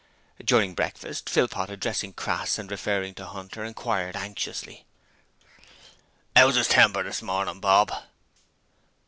During breakfast, Philpot, addressing Crass and referring to Hunter, inquired anxiously: ''Ow's 'is temper this mornin', Bob?'